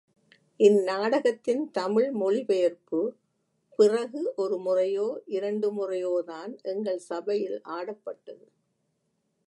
இந் நாடகத்தின் தமிழ் மொழிபெயர்ப்பு, பிறகு ஒரு முறையோ இரண்டு முறையோதான் எங்கள் சபையில் ஆடப்பட்டது.